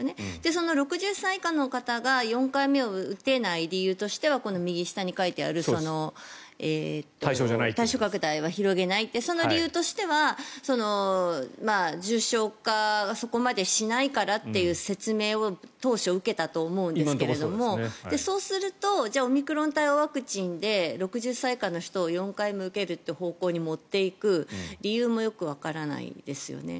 その６０歳以下の方が４回目を打てない理由としては右下に書いてある対象拡大は広げないその理由としては、重症化そこまでしないからという説明を当初受けたと思うんですけれどもそうすると、じゃあオミクロン対応ワクチンで６０歳以下の人を４回目受けるという方向に持っていく理由もよくわからないですよね。